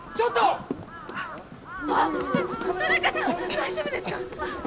大丈夫ですか？